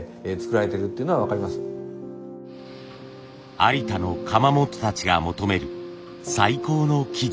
有田の窯元たちが求める最高の素地。